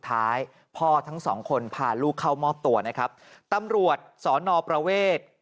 ตามข้อมูลจนแน่ชัด